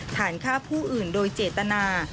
ฐานฆ่าผู้อื่นโดยเจตนา